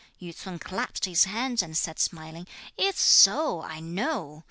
Yü ts'un clapped his hands and said smiling, "It's so, I know!